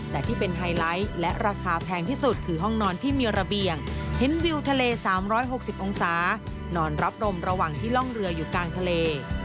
แต่ที่เป็นไฮไลท์และราคาแพงที่สุดคือห้องนอนที่มีระเบียงเห็นวิวทะเล๓๖๐องศานอนรับรมระหว่างที่ร่องเรืออยู่กลางทะเล